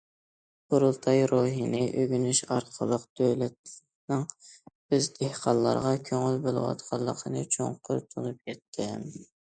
قۇرۇلتاي روھىنى ئۆگىنىش ئارقىلىق دۆلەتنىڭ بىز دېھقانلارغا كۆڭۈل بۆلۈۋاتقانلىقىنى چوڭقۇر تونۇپ يەتتىم.